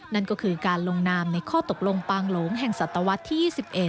นั่นก็คือการลงนามในข้อตกลงปางหลงแห่งศัตวรรษที่๒๑